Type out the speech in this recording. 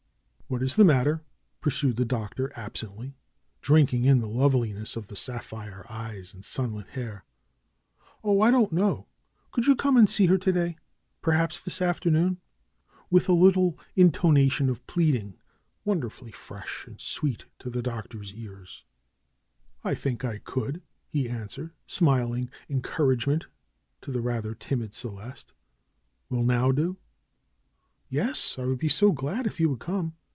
"What is the matter?" pursued the Doctor absently, drinking in the loveliness of the sapphire eyes and sun lit hair. "Oh!' I don't know. Could you come and see her to day ? Perhaps this afternoon ?" with a little intona tion of pleading, wonderfully fresh and sweet to the Doctor's ears. DR. SCHOLAR CRUTCH lU think I could/^ he answered, smiling encourage ment to the rather timid Celeste. ^^Will now do?^^ Yes ! I would be so glad if you would come